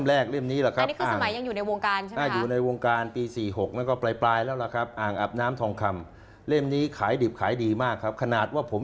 อันนี้คือสมัยยังอยู่ในวงการใช่มั้ยครับ